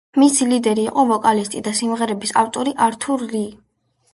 მისი ლიდერი იყო ვოკალისტი და სიმღერების ავტორი ართურ ლი.